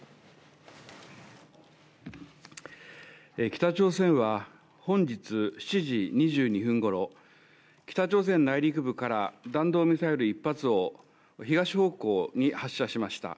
北朝鮮は本日７時２２分頃、北朝鮮内陸部から弾道ミサイル１発を東方向に発射しました。